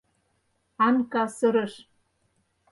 — Анка сырыш.